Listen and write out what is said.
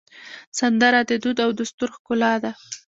سندره د دود او دستور ښکلا ده